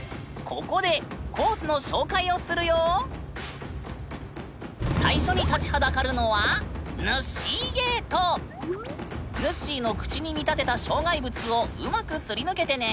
ここで最初に立ちはだかるのはぬっしーの口に見立てた障害物をうまくすり抜けてね！